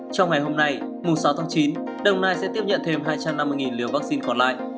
trong ngày hôm nay mùng sáu tháng chín đồng nai sẽ tiếp nhận thêm hai trăm năm mươi liều vaccine còn lại